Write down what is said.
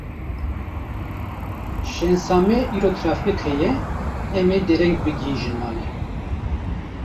Şensa me îro trafîk heye, em ê dereng bigihîjin malê.